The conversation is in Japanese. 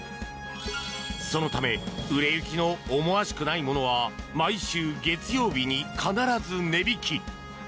そのため売れ行きの思わしくないものは毎週月曜日に必ず値引き。